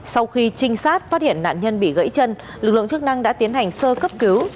sau khi trinh sát phát hiện nạn nhân bị gãy chân lực lượng chức năng đã tiến hành sơ cấp cứu